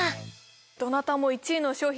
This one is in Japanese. どなたも１位の商品